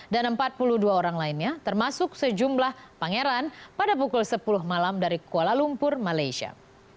dan empat puluh dua orang lainnya termasuk sejumlah pangeran pada pukul sepuluh malam dari kuala lumpur malaysia